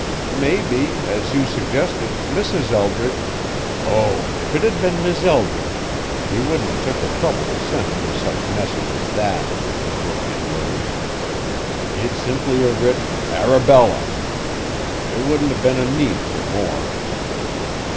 "Maybe, as you suggested, Mrs. Eldridge " "Oh, if it had been Mis' Eldridge, he wouldn't 'a' took the trouble to send no such message as that," broke in Willie. "He'd simply 'a' writ Arabella; there wouldn't 'a' been need fur more.